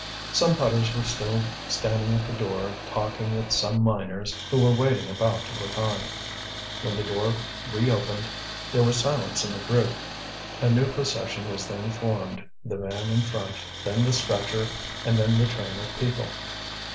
Some putters were still standing at the door talking with some miners who were waiting about to look on. When the door reopened there was silence in the group. A new procession was then formed, the van in front, then the stretcher, and then the train of people.